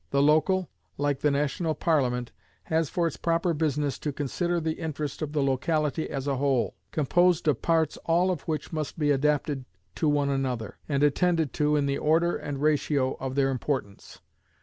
The local, like the national Parliament, has for its proper business to consider the interest of the locality as a whole, composed of parts all of which must be adapted to one another, and attended to in the order and ratio of their importance.